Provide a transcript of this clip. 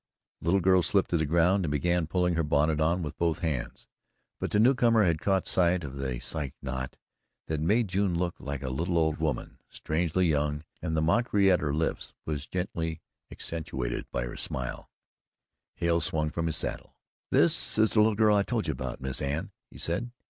The little girl slipped to the ground and began pulling her bonnet on with both hands but the newcomer had caught sight of the Psyche knot that made June look like a little old woman strangely young, and the mockery at her lips was gently accentuated by a smile. Hale swung from his saddle. "This is the little girl I told you about, Miss Anne," he said.